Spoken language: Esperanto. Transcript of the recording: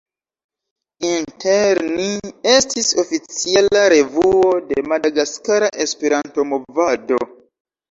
Inter Ni estis oficiala revuo de madagaskara Esperanto-movado.